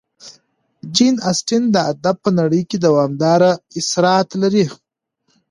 جین اسټن د ادب په نړۍ کې دوامداره اثرات لري.